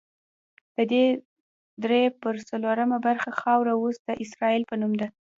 دې درې پر څلورمه برخه خاوره اوس د اسرائیل په نوم ده.